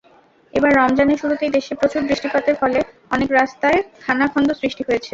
এবার রমজানের শুরুতেই দেশে প্রচুর বৃষ্টিপাতের ফলে অনেক রাস্তায় খানাখন্দ সৃষ্টি হয়েছে।